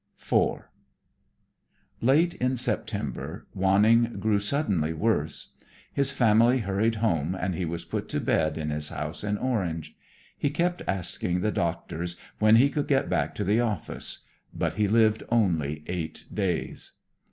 IV Late in September Wanning grew suddenly worse. His family hurried home, and he was put to bed in his house in Orange. He kept asking the doctors when he could get back to the office, but he lived only eight days.